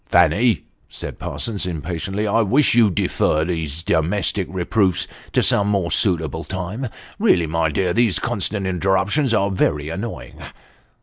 " Fanny," said Parsons impatiently, " I wish you'd defer these domestic reproofs to some more suitable time. Really, my dear, these constant interruptions are very annoying."